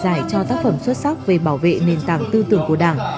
giải cho tác phẩm xuất sắc về bảo vệ nền tảng tư tưởng của đảng